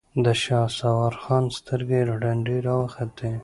د شهسوار خان سترګې رډې راوختې.